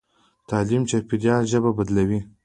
تعلیم چاپېریال ژبه بدلوي.